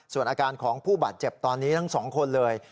ส่วนอาการของผู้บาดเจ็บตอนนี้ทั้งสองคนเลย